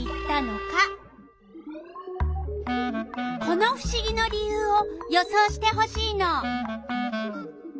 このふしぎの理由を予想してほしいの。